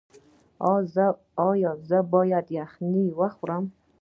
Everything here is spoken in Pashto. ایا زه باید یخني وخورم؟